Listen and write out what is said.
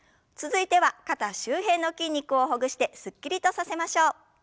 続いては肩周辺の筋肉をほぐしてすっきりとさせましょう。